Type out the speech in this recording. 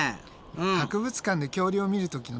博物館で恐竜を見る時のね